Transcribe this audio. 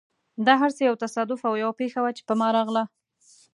دا هر څه یو تصادف او یوه پېښه وه، چې په ما راغله.